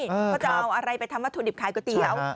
เขาจะเอาอะไรไปทำวัตถุดิบขายก๋วยเตี๋ยว